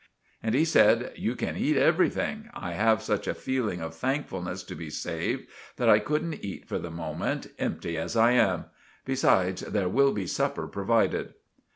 And he said— "You can eat everything. I have such a fealing of thankfulness to be saved, that I couldn't eat for the moment, empty as I am. Besides there will be supper provided."